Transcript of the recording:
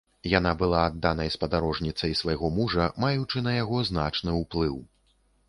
Яна была адданай спадарожніцай свайго мужа, маючы на яго значны ўплыў.